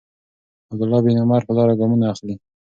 عبدالله بن عمر پر لاره ګامونه اخلي.